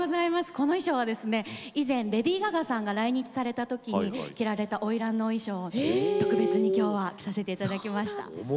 この衣装は以前、レディー・ガガさんが来日した時に着られたおいらんの衣装を特別に今日は着させていただきました。